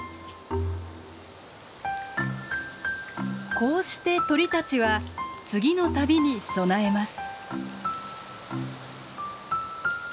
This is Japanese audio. こうして鳥たちは次の旅に備えます。